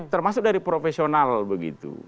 termasuk dari profesional begitu